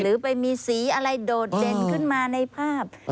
หรือไปมีสีอะไรโดดเด่นขึ้นมาในภาพ